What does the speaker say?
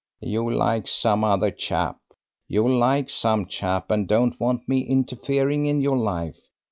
"You like some other chap. You like some chap, and don't want me interfering in your life.